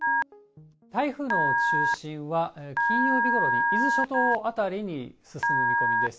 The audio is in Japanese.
台風の中心は、金曜日ごろに伊豆諸島辺りに進む見込みです。